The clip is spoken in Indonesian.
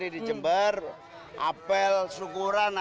ini jadi itu ini